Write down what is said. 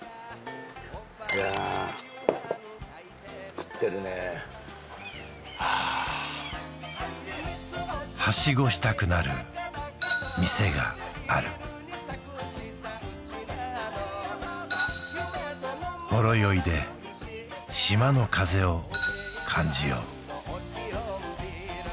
いや食ってるねはあはしごしたくなる店があるほろ酔いで島の風を感じよう